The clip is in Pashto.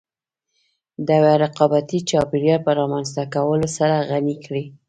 د يوه رقابتي چاپېريال په رامنځته کولو سره غني کړې.